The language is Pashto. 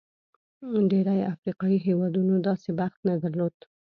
ډېری افریقايي هېوادونو داسې بخت نه درلود.